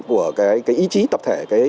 của cái ý chí tập thể